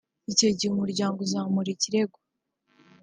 Icyo gihe umuryango uzamura ikirego